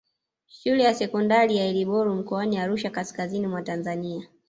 Shule ya sekondari ya Elboro mkoani Arusha kaskazini mwa Tanzania